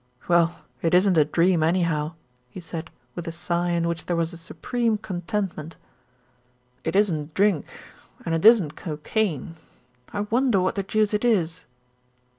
"Well, it isn't a dream anyhow," he said with a sigh in which there was a supreme contentment. "It isn't drink, and it isn't cocaine. I wonder what the deuce it is."